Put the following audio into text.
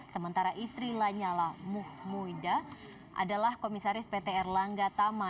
sementara istri lanyala muhmuida adalah komisaris pt erlangga tama